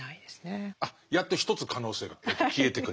やっと１つ可能性が消えてくれました。